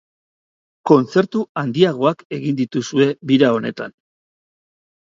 Kontzertu handiagoak egin dituzue bira honetan.